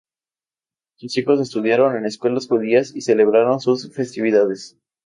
Sus hijos estudiaron en escuelas judías y celebraron sus festividades.